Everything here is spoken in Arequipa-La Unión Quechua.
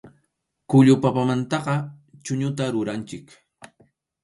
Khullu papamantaqa chʼuñuta ruranchik.